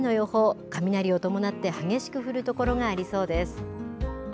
あすは雨の予報、雷を伴って激しく降る所がありそうです。